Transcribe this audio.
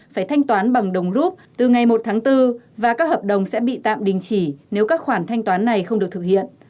phải thanh toán bằng đồng rút từ ngày một tháng bốn và các hợp đồng sẽ bị tạm đình chỉ nếu các khoản thanh toán này không được thực hiện